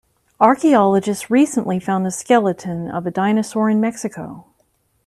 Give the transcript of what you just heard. Archaeologists recently found the skeleton of a dinosaur in Mexico.